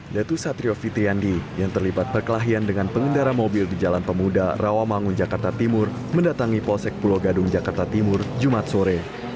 datu satrio fitriandi yang terlibat perkelahian dengan pengendara mobil di jalan pemuda rawamangun jakarta timur mendatangi polsek pulau gadung jakarta timur jumat sore